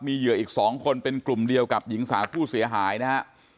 เหยื่ออีก๒คนเป็นกลุ่มเดียวกับหญิงสาวผู้เสียหายนะฮะ